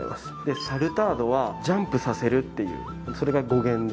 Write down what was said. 「サルタード」は「ジャンプさせる」っていうそれが語源ですね。